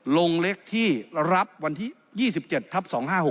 ลงเล็กที่รับวันที่๒๗ทับ๒๕๖